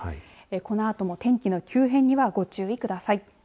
このあとも天気の急変にはご注意ください。